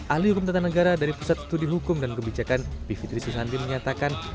ahli hukum tata negara dari pusat studi hukum dan kebijakan bivitri susanti menyatakan